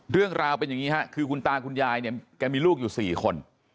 เรื่องราวเป็นอย่างนี้ค่ะคือคุณตาคุณยายเนี่ยแกมีลูกอยู่๔คน